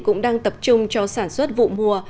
cũng đang tập trung cho sản xuất vụ mùa